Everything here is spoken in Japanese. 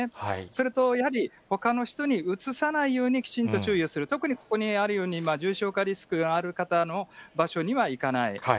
それと、やはりほかの人にうつさないようにきちんと注意をする、特にここにあるように、重症化リスクある方の場所には行かない。